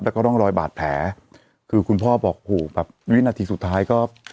แล้วก็ร่องรอยบาดแผลคือคุณพ่อบอกโหแบบวินาทีสุดท้ายก็